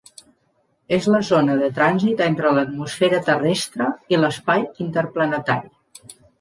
És la zona de trànsit entre l'atmosfera terrestre i l'espai interplanetari.